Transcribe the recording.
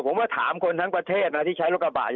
ผมว่าถามคนทั้งประเทศนะที่ใช้รถกระบาด